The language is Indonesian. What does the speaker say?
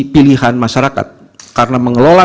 pilihan masyarakat karena mengelola